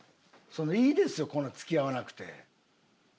いいですよこんな付き合わなくて。